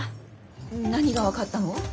何が分かったの？